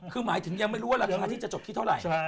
คือหมายถึงยังไม่รู้ว่าราคาที่จะจบที่เท่าไหร่